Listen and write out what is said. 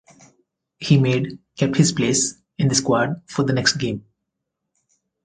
He made kept his place in the squad for the next game.